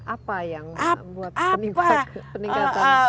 apa yang buat peningkatan